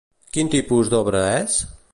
Quin tipus d'obra és?